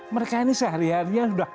mereka ini sehari hari yang sudah